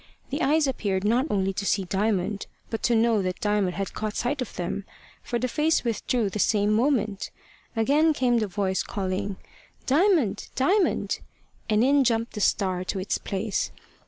The eyes appeared not only to see Diamond, but to know that Diamond had caught sight of them, for the face withdrew the same moment. Again came the voice, calling "Diamond, Diamond;" and in jumped the star to its place.